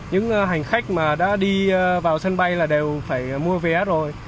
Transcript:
những hành khách mà đã đi vào sân bay là đều phải mua vé rồi